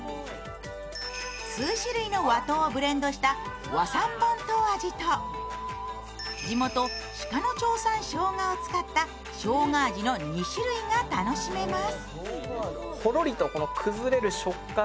数種類の和糖をブレンドした和三盆糖味と地元・鹿野町産のしょうがを使った生しょうが味の２種類の味が楽しめます。